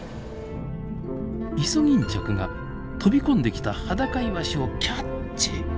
イソギンチャクが飛び込んできたハダカイワシをキャッチ！